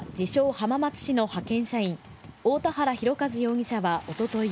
浜松市の派遣社員、大田原広和容疑者はおととい